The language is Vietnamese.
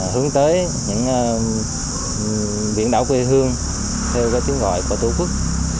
hướng tới những viễn đảo quê hương theo các tiếng gọi của tổ quốc